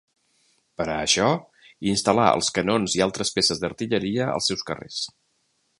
Per a això, instal·lar els canons i altres peces d'artilleria als seus carrers.